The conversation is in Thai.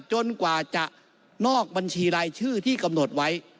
จนกว่าจะนอกบัญชีรายชื่อที่กำหนดไว้